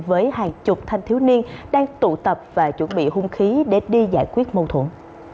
với hàng chục thanh thiếu niên đang tụ tập và chuẩn bị hung khí để đi giải quyết mâu thuẫn